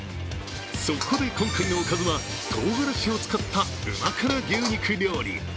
そこで今回のおかずは、とうがらしを使った旨辛牛肉料理。